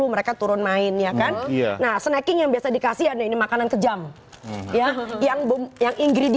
mereka turun main ya kan iya nah snacking yang biasa dikasih ada ini makanan kejam yang bom yang